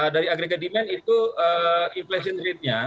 dari agregat demand itu inflation rate nya